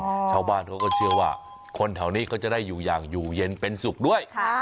ชาวบ้านเขาก็เชื่อว่าคนแถวนี้เขาจะได้อยู่อย่างอยู่เย็นเป็นสุขด้วยค่ะ